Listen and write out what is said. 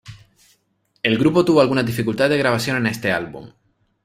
El grupo tuvo algunas dificultades de grabación en este álbum.